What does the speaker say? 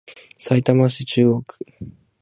さいたま市中央区